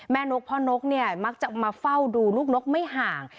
นกพ่อนกเนี่ยมักจะมาเฝ้าดูลูกนกไม่ห่าง